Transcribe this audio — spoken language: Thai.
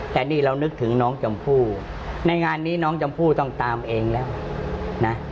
แต่นี่เรานึกถึงน้องชมพู่ในงานนี้น้องชมพู่ต้องตามเองแล้วนะ